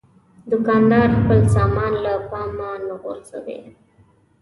دوکاندار خپل سامان له پامه نه غورځوي.